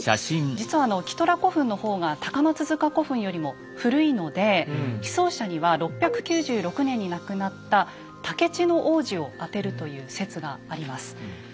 実はキトラ古墳の方が高松塚古墳よりも古いので被葬者には６９６年に亡くなった高市皇子をあてるという説があります。